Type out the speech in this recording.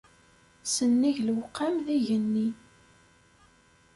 Sennig lewqam d igenni.